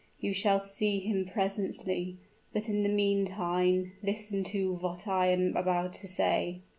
You shall see him presently; but in the meantime, listen to what I am about to say."